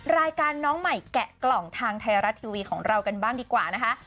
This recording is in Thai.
รายการน้องใหม่แกะกล่องทางไทยรัฐทีวีของเรากันบ้างดีกว่านะคะ